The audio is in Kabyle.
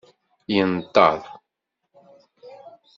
Yenṭer.